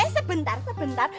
eh sebentar sebentar